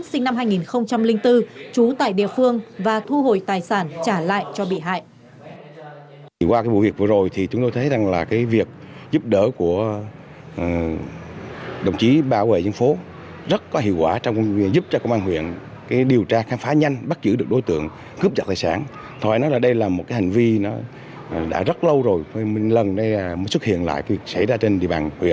sinh năm hai nghìn bốn trú tại địa phương và thu hồi tài sản trả lại cho bị hại